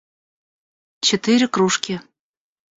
четыре кружки